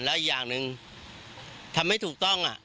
และอีกอย่างนึงทำไม่ถูกต้องอ่ะ